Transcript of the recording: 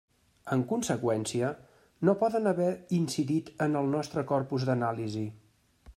En conseqüència, no poden haver incidit en el nostre corpus d'anàlisi.